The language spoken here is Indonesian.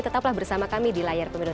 tetaplah bersama kami di layar pemilu